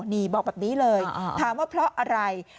นี่บอกแบบนี้เลยถามว่าเพราะอะไร